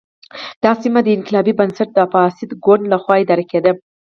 دا سیمه د انقلابي بنسټ د فاسد ګوند له خوا اداره کېده.